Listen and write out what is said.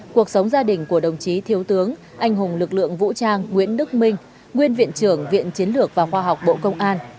cuộc sống gia đình của đồng chí thiếu tướng anh hùng lực lượng vũ trang nguyễn đức minh nguyên viện trưởng viện chiến lược và khoa học bộ công an